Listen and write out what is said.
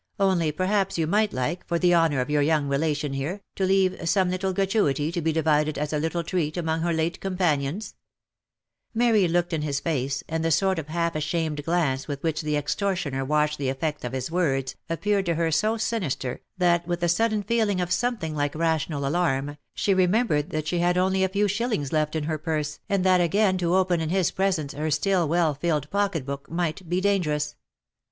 Only perhaps you might like, for the honour of your young relation here, to leave some little gratuity to be divided as a little treat among her late companions ?" 262 THE LIFE AND ADVENTURES Mary looked in his face, and the sort of half ashamed glance with which the extortioner watched the effect of his words, appeared to her so sinister, that with a sudden feeling of something like rational alarm, she remembered'that she had only a few shillings left in her purse, and that again to open in his presence her still well filled pocket book, might be dangerous.